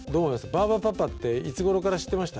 バーバパパっていつ頃から知ってました？